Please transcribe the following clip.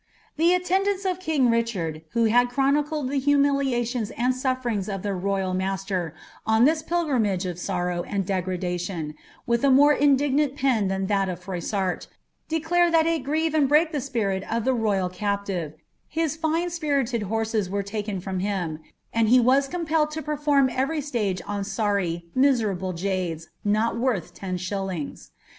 31 Thp atlenilaiila of king Richard (wlio have chronicled the huiiiilift ikins and siilffti'iii^ of their royal ma«ler, on this pilgrimaif "f sorrow and drcmdatinn, with a more intlignanl pen ilian that of Froissari), de clatf lliai lo friere and hreak the spirit of i)ie ro)^! captive, hia nn»> vpiriicd horses were taken rram him, and he was compelled lo perrnrni BTcrT,' stage un sorry, miaerable jades, nol worth ten shillings.